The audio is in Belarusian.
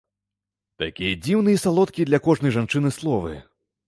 Такія дзіўныя і салодкія для кожнай жанчыны словы!